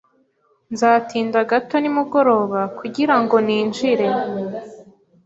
Nzatinda gato nimugoroba kugirango ninjire.